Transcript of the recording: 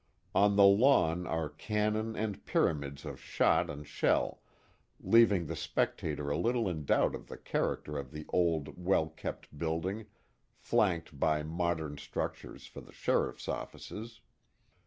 On the lawn are cannon and pyramids of shot and shell, leaving the spectator a little in doubt of the character of the old, well kept building, flanked by modern structures for the sheriff's offices.